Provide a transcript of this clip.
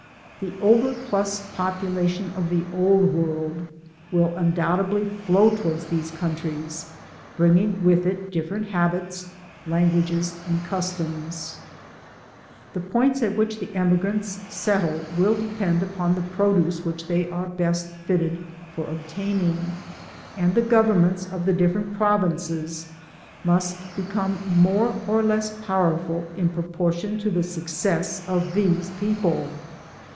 The over* plus population of the Old World will undoubtedly flow towards these countries, bringing with if dif* Digitized byGoogk t&mxt habiti, ItQguages, and customs, ^he pdnts it which the emigfantii settle will d^end iip^i th^ pfoduee whioh they fure best fitted fbr obtaimag, and the governments of the different ppovi^ees must become mere or less powerfbl in pFoportimi to the success of these pec^le.